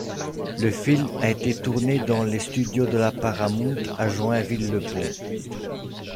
Le film a été tourné dans les Studios de la Paramount à Joinville-le-Pont.